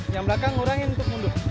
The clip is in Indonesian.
yang belakang ngurangin untuk mundur